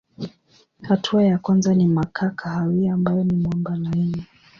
Hatua ya kwanza ni makaa kahawia ambayo ni mwamba laini.